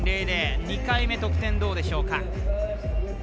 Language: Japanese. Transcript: ２回目、得点どうでしょうか。